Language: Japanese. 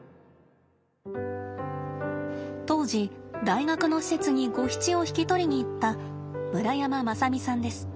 当時大学の施設にゴヒチを引き取りに行った村山正巳さんです。